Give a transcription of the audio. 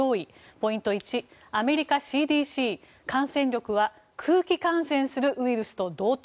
ポイント１、アメリカＣＤＣ感染力は空気感染するウイルスと同等。